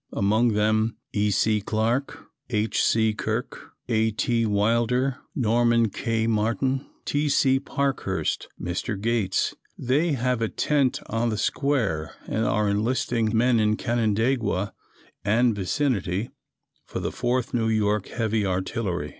Among them E. C. Clarke, H. C. Kirk, A. T. Wilder, Norman K. Martin, T. C. Parkhurst, Mr. Gates. They have a tent on the square and are enlisting men in Canandaigua and vicinity for the 4th N. Y. Heavy Artillery.